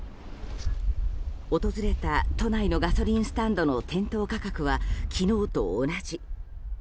訪れた都内のガソリンスタンドの店頭価格は昨日と同じ。